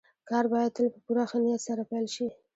کار بايد تل په پوره ښه نيت سره پيل شي.